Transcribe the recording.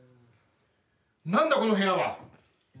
なんだこの部屋は！